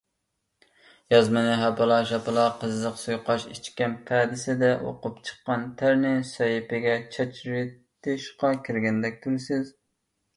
يازمىنى ھاپىلا - شاپىلا قىزىق سۇيۇقئاش ئىچكەن پەدىسىدە ئوقۇپ، چىققان تەرنى سەھىپىگە چاچرىتىشقا كىرگەندەك تۇرىسىز.